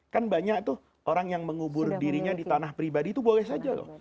kan banyak tuh orang yang mengubur dirinya di tanah pribadi itu boleh saja loh